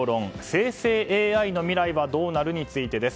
生成ＡＩの未来はどうなる？についてです。